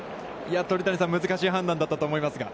鳥谷さん難しい判断だったと思いますが。